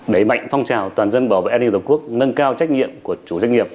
đẩy mạnh phong trào toàn dân bảo vệ an ninh tổ quốc nâng cao trách nhiệm của chủ doanh nghiệp